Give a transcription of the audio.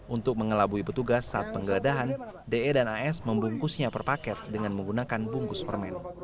untuk mengelabui petugas saat penggeledahan de dan as membungkusnya per paket dengan menggunakan bungkus permen